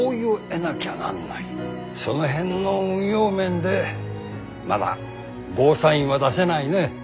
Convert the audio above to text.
その辺の運用面でまだゴーサインは出せないね。